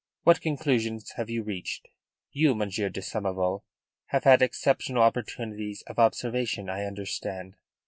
What conclusions have you reached? You, Monsieur de Samoval, have had exceptional opportunities of observation, I understand."